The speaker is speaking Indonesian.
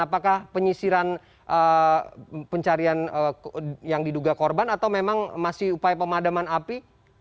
apakah penyisiran pencarian yang diduga korban atau memang masih upaya pemadaman api